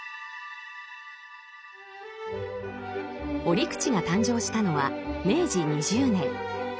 折口が誕生したのは明治２０年。